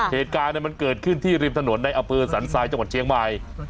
เหตุการณ์มันเกิดขึ้นที่ริมถนนในอำเภอสันทรายจังหวัดเชียงใหม่